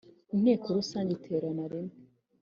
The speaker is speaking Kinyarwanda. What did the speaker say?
Inteko Rusange Iterana Rimwe